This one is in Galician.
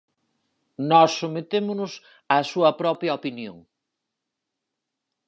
Nós sometémonos á súa propia opinión.